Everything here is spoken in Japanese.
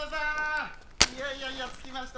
いやいやいや着きました。